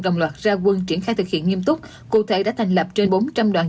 đồng loạt ra quân triển khai thực hiện nghiêm túc cụ thể đã thành lập trên bốn trăm linh đoàn